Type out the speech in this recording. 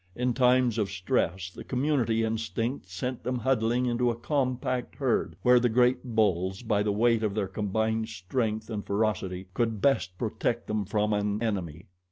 In times of stress, the community instinct sent them huddling into a compact herd where the great bulls, by the weight of their combined strength and ferocity, could best protect them from an enemy.